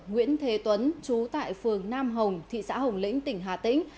nguyễn thế tuấn chú tại phường nam hồng thị xã hồng lĩnh tỉnh hà tĩnh